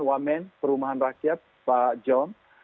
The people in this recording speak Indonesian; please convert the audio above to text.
one man perumahan rakyat pak john